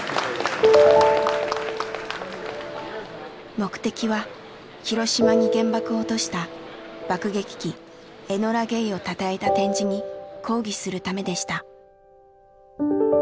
目的は広島に原爆を落とした爆撃機エノラ・ゲイをたたえた展示に抗議するためでした。